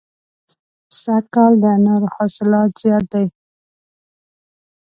سږ کال د انارو حاصلات زیات دي.